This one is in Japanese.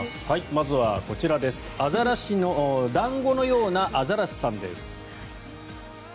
まずはこちら団子のようなアザラシさんです。